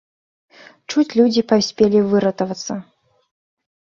Чуць людзі паспелі выратавацца.